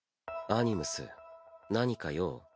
アニムス何か用？